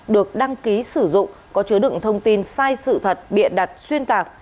được đăng ký sử dụng có chứa đựng thông tin sai sự thật bịa đặt xuyên tạc